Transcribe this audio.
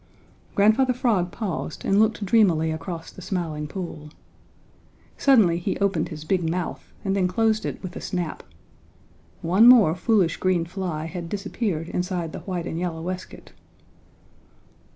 Grandfather Frog paused and looked dreamily across the Smiling Pool. Suddenly he opened his big mouth and then closed it with a snap. One more foolish green fly had disappeared inside the white and yellow waistcoat.